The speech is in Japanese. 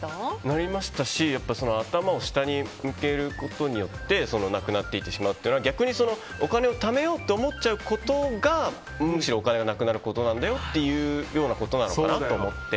なりましたし頭を下に向けることによってなくなっていってしまうというのは、逆にお金をためようと思っちゃうことがむしろお金がなくなることなんだよということかなと思って。